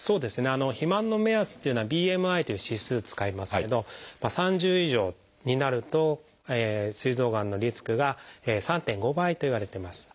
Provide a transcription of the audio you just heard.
肥満の目安というのは「ＢＭＩ」という指数使いますけど３０以上になるとすい臓がんのリスクが３．５倍といわれてます。